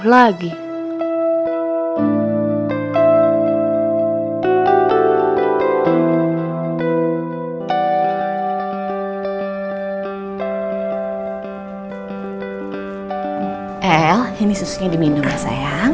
el ini susunya diminum ya sayang